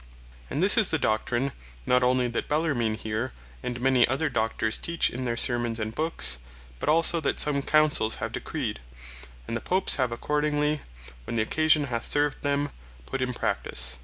And this is the Doctrine, not onely that Bellarmine here, and many other Doctors teach in their Sermons and Books, but also that some Councells have decreed, and the Popes have decreed, and the Popes have accordingly, when the occasion hath served them, put in practise.